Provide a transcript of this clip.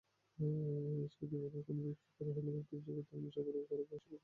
এদেশে ইতিপূর্বে কোনো ভিক্ষুর হেলিকপ্টার যোগে ধর্মীয় সফর করার সৌভাগ্য হয়নি।